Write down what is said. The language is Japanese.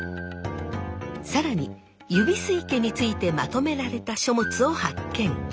更に指吸家についてまとめられた書物を発見。